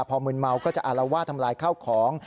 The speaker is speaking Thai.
พอมึนเมาก็จะอารวาสทำลายข้าวของ